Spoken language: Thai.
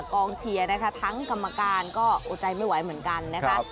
กองเชียร์นะคะทั้งกรรมการก็อดใจไม่ไหวเหมือนกันนะคะ